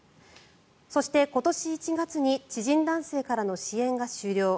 そして、今年１月に知人男性からの支援が終了。